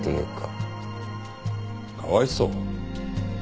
「かわいそう？」